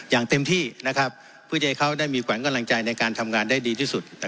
อย่างเต็มที่เพื่อจะให้เขาได้มีขวัญกำลังใจในการทำงานได้ดีที่สุด